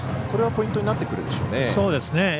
これはポイントになってくるでしょうね。